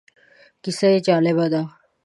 کیسه یې جالبه ده.